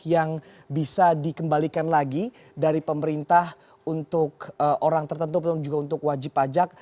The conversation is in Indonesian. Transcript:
yang bisa dikembalikan lagi dari pemerintah untuk orang tertentu juga untuk wajib pajak